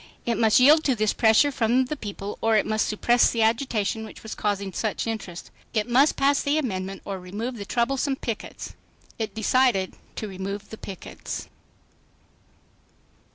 It must yield to this pressure from the people or it must suppress the agitation which was causing such interest. It must pass the amendment or remove the troublesome pickets. It decided to remove the pickets.